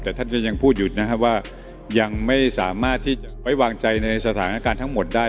แต่ท่านก็ยังพูดอยู่นะครับว่ายังไม่สามารถที่จะไว้วางใจในสถานการณ์ทั้งหมดได้